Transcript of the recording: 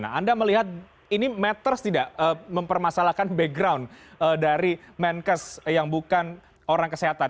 nah anda melihat ini matters tidak mempermasalahkan background dari menkes yang bukan orang kesehatan